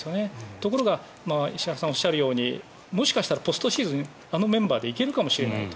ところが、石原さんがおっしゃるようにもしかしたらポストシーズンあのメンバーで行けるかもしれないと。